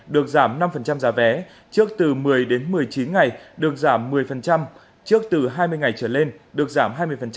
được giảm năm giá vé trước từ một mươi đến một mươi chín ngày được giảm một mươi trước từ hai mươi ngày trở lên được giảm hai mươi